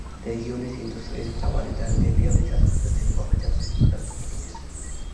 რეგიონის ინდუსტრიის მთავარი დარგებია მიწათმოქმედება, მეთევზეობა და ტურიზმი.